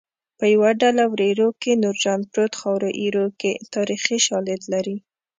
په یوه ډله وریرو کې نورجان پروت خاورو ایرو کې تاریخي شالید لري